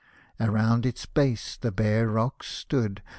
Around its base the bare rocks stood.